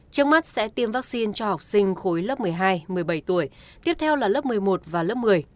trước mắt sẽ tiêm vaccine cho học sinh khối lớp một mươi hai một mươi bảy tuổi tiếp theo là lớp một mươi một và lớp một mươi